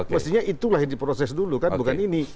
mestinya itulah yang diproses dulu kan bukan ini